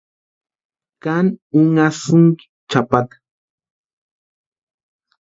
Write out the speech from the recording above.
¿Káni únhasïnki chʼapata?